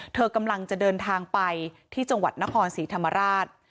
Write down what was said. เธอกำลังจะเดินทางไปที่จังหวัดนครศรีธรรมราช